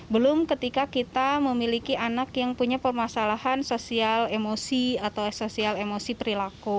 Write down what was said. belum ketika kita memiliki anak yang punya permasalahan sosial emosi atau sosial emosi perilaku